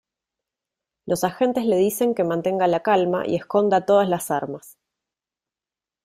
Los agentes le dicen que mantenga la calma y esconda todas las armas.